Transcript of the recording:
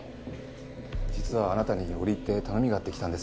実はあなたに折り入って頼みがあって来たんです。